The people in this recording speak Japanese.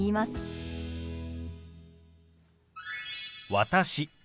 「私」